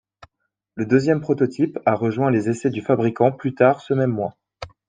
Le deuxième prototype a rejoint les essais du fabricant plus tard ce même mois.